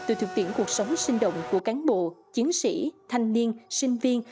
từ thực tiễn cuộc sống sinh động của cán bộ chiến sĩ thanh niên sinh viên